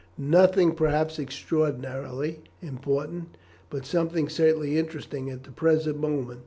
"Nothing perhaps extraordinarily important, but something certainly interesting at the present moment.